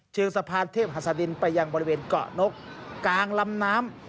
เชิงสะพานเทพหัสดินไปยังบริเวณเกาะนกกลางลำน้ำ